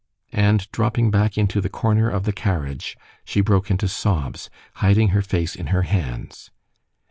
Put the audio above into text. And dropping back into the corner of the carriage, she broke into sobs, hiding her face in her hands.